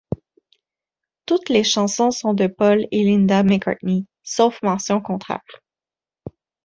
Toutes les chansons sont de Paul et Linda McCartney, sauf mention contraire.